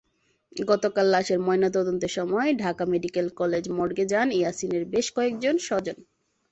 গতকাল লাশের ময়নাতদন্তের সময় ঢাকা মেডিকেল কলেজ মর্গে যান ইয়াসিনের বেশ কয়েকজন স্বজন।